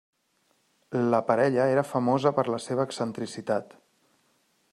La parella era famosa per la seva excentricitat.